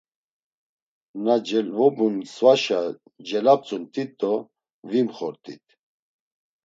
Na celvobun svaşa celap̌tzumt̆it do vimxort̆it.